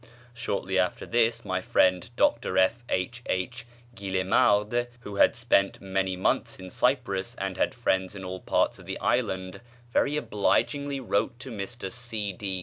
Shortly after this, my friend Dr F. H. H. Guillemard, who had spent many months in Cyprus and had friends in all parts of the island, very obligingly wrote to Mr C. D.